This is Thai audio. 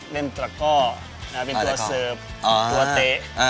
ตระก้อเป็นตัวเสิร์ฟตัวเตะ